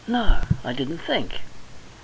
No I didn't think." Mr.